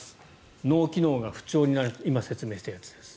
脳機能が不調になる今、説明したやつです。